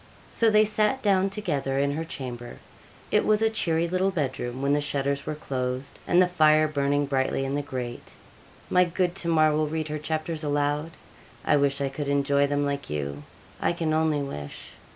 So they sat down together in her chamber. It was a cheery little bed room, when the shutters were closed, and the fire burning brightly in the grate. 'My good Tamar will read her chapters aloud. I wish I could enjoy them like you. I can only wish.